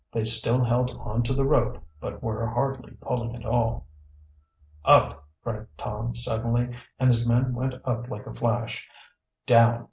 They still held on to the rope, but were hardly pulling at all. "Up!" cried Tom suddenly, and his men went up like a flash. "Down!"